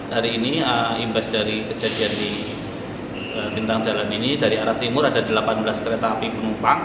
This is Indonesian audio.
hari ini imbas dari kejadian di bintang jalan ini dari arah timur ada delapan belas kereta api penumpang